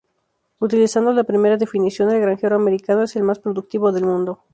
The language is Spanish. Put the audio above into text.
Utilizando la primera definición, el granjero americano es el más productivo del mundo.